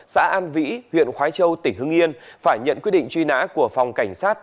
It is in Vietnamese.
xã an vĩ huyện khoái châu tỉnh hưng yên phải nhận quyết định truy nã của phòng cảnh sát